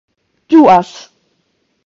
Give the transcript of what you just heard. ĝuas